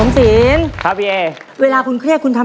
แล้ววันนี้ผมมีสิ่งหนึ่งนะครับเป็นตัวแทนกำลังใจจากผมเล็กน้อยครับ